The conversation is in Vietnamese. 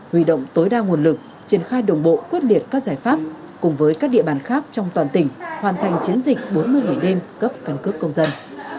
huy động tối đa nguồn lực triển khai đồng bộ quyết liệt các giải pháp cùng với các địa bàn khác trong toàn tỉnh hoàn thành chiến dịch bốn mươi ngày đêm cấp căn cước công dân